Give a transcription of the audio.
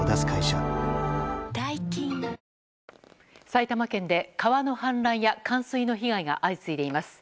埼玉県で川の氾濫や冠水の被害が相次いでいます。